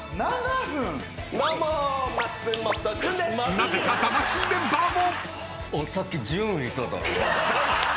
なぜか「魂」メンバーも。